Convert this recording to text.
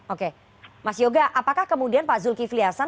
oke mas yoga apakah kemudian pak zulkifli hasan